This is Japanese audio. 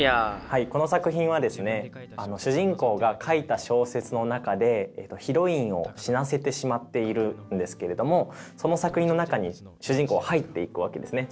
はいこの作品はですね主人公が書いた小説の中でヒロインを死なせてしまっているんですけれどもその作品の中に主人公は入っていくわけですね。